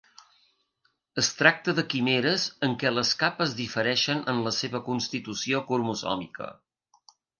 Es tracta de quimeres en què les capes difereixen en la seva constitució cromosòmica.